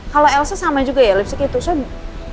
kalau elsa sama juga ya lipsticknya